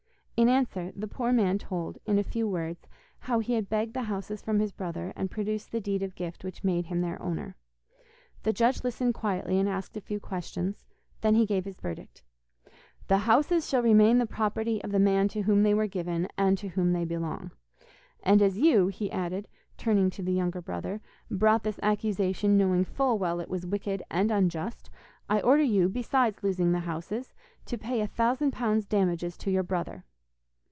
In answer, the poor man told, in a few words, how he had begged the houses from his brother, and produced the deed of gift which made him their owner. The judge listened quietly and asked a few questions; then he gave his verdict. 'The houses shall remain the property of the man to whom they were given, and to whom they belong. And as you,' he added, turning to the younger brother, 'brought this accusation knowing full well it was wicked and unjust, I order you, besides losing the houses, to pay a thousand pounds damages to your brother.